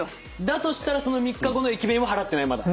だとしたらその３日後の駅弁は払ってないまだ。